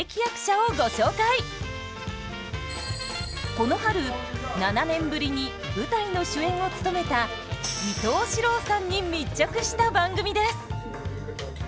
この春７年ぶりに舞台の主演を務めた伊東四朗さんに密着した番組です。